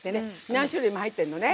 何種類も入ってんのね。